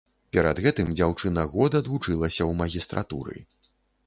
Перад гэтым дзяўчына год адвучылася ў магістратуры.